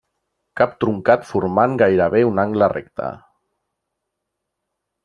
Cap truncat formant gairebé un angle recte.